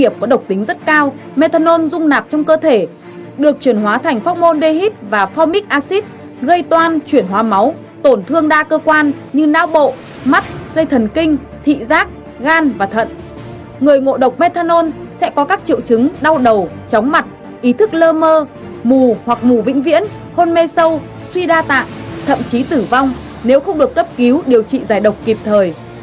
hoặc mù vĩnh viễn hôn mê sâu suy đa tạng thậm chí tử vong nếu không được cấp cứu điều trị giải độc kịp thời